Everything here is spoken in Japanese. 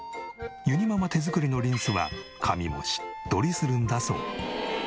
ゆにママ手作りのリンスは髪もしっとりするんだそう。